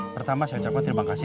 pertama saya ucapkan terima kasih